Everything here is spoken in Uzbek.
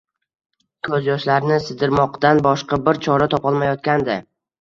Ko'zyoshlarini sidirmoqdan boshqa bir chora topolmayotgandi.